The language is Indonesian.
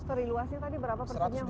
seri luasnya tadi berapa